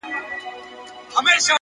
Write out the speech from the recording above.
مهرباني د انسانیت ښکلی انځور دی.